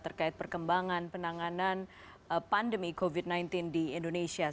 terkait perkembangan penanganan pandemi covid sembilan belas di indonesia